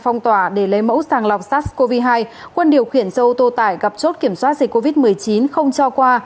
phong tỏa để lấy mẫu sàng lọc sars cov hai quân điều khiển xe ô tô tải gặp chốt kiểm soát dịch covid một mươi chín không cho qua